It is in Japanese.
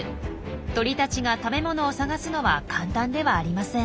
鳥たちが食べ物を探すのは簡単ではありません。